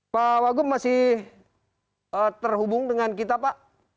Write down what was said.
pak wagub masih terhubung dengan kita pak